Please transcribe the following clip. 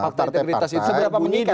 pakta integritas itu seberapa mengikat